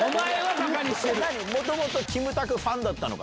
何、もともとキムタクファンだったのか？